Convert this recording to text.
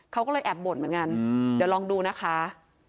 เขาก็เลยแอบบ่นเหมือนกันเดี๋ยวลองดูนะคะ